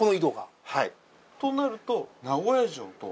となると。